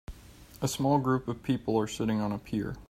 A small group of people are sitting on a pier.